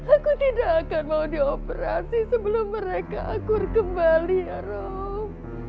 aku tidak akan mau di operasi sebelum mereka akur kembali ya rom